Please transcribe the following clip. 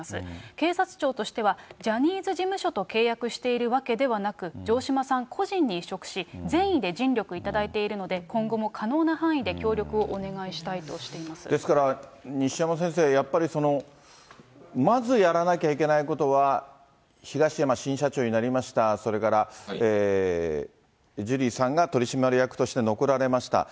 警察庁としては、ジャニーズ事務所と契約しているわけではなく、城島さん個人に委嘱し、全力で尽力いただいているので、今後も可能な範囲で協力をお願いですから、西山先生、やっぱり、まずやらなきゃいけないことは、東山新社長になりました、それからジュリーさんが取締役として残られました。